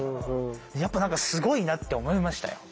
やっぱ何かすごいなって思いましたよ。